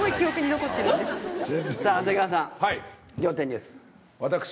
さぁ長谷川さん仰天ニュース。